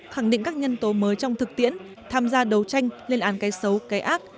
khẳng định các nhân tố mới trong thực tiễn tham gia đấu tranh lên án cái xấu cái ác